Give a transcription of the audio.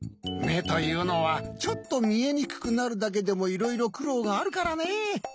めというのはちょっとみえにくくなるだけでもいろいろくろうがあるからね。